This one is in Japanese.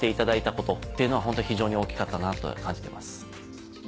ことっていうのはホントに非常に大きかったなと感じてます。